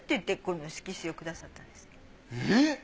えっ！？